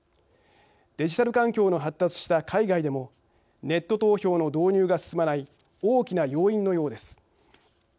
デジタル環境の発達した海外でもネット投票の導入が進まない大きな要因のようです。